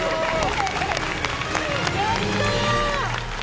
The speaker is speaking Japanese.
やった！